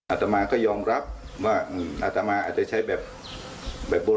อัตตามากก็ยอมรับว่าอัตตามากก็จะใช้แบบ